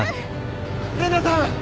麗奈さん！